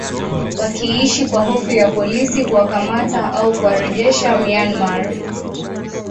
wakiishi kwa hofu ya polisi kuwakamata au kuwarejesha Myanmar